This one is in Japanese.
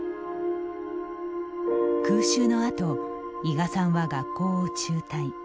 空襲の後、伊賀さんは学校を中退。